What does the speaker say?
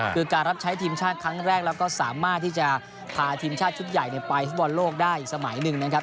คือการรับใช้ทีมชาติครั้งแรกแล้วก็สามารถที่จะพาทีมชาติชุดใหญ่ไปฟุตบอลโลกได้อีกสมัยหนึ่งนะครับ